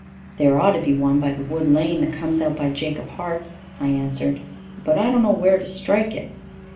"There ought to be one by the wood lane that comes out by Jacob Hart's," I answered, "but I don't know where to strike it."